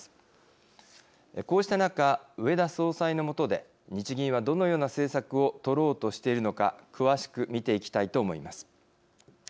こうした中植田総裁の下で日銀はどのような政策を取ろうとしているのか詳しく見ていきたいと思います。